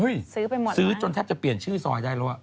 เฮ้ยซื้อไปหมดแล้วซื้อจนแทบจะเปลี่ยนชื่อซอยได้แล้ว